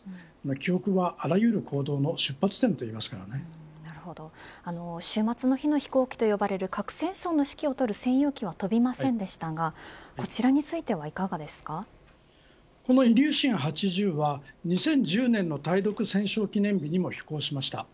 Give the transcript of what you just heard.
記憶はあらゆる行動の終末の日の飛行機と呼ばれる核戦争の指揮を執る専用機は飛びませんでしたがこのイリューシン８０は２０１０年の対独戦勝記念日にも飛行しました。